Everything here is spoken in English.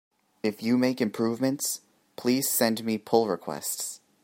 If you make improvements, please send me pull requests!